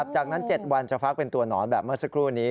จากนั้น๗วันจะฟักเป็นตัวหนอนแบบเมื่อสักครู่นี้